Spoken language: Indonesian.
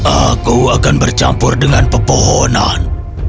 aku akan bercampur dengan pepohonan